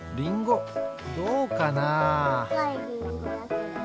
どうかな？